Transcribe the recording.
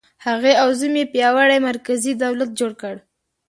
هغې او زوم یې پیاوړی مرکزي دولت جوړ کړ.